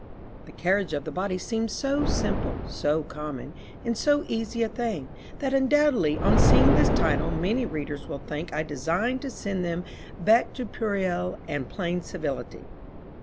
_ The carriage of the body seems so simple, so common, and so easy a thing, that undoubtedly on seeing this title, many readers will think I design to send them back to puerile and plain civility.